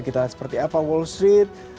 kita lihat seperti apa wall street